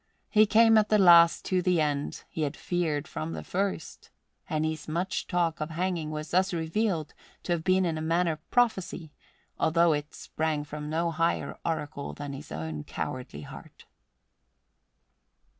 He came at the last to the end he had feared from the first; and his much talk of hanging was thus revealed to have been in a manner prophecy, although it sprang from no higher oracle than his own cowardly heart.